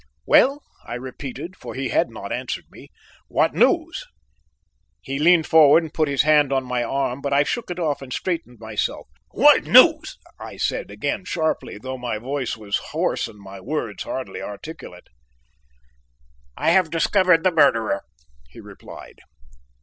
"Well!" I repeated, for he had not answered me, "what news?" He leaned forward and put his hand on my arm, but I shook it off and straightened myself "What news?" I said again sharply, though my voice was hoarse and my words hardly articulate. "I have discovered the murderer," he replied.